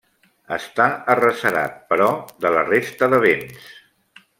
Està arrecerat, però, de la resta de vents.